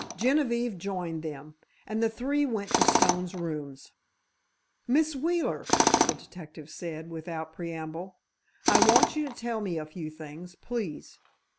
Genevieve joined them, and the three went to Stone's rooms. "Miss Wheeler," the detective said, without preamble, "I want you to tell me a few things, please.